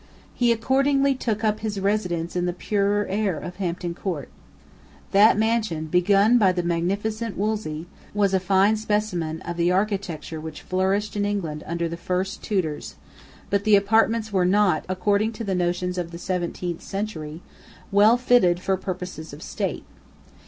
He accordingly took up his residence in the purer air of Hampton Court. That mansion, begun by the magnificent Wolsey, was a fine specimen of the architecture which flourished in England under the first Tudors; but the apartments were not, according to the notions of the seventeenth century, well fitted for purposes of state.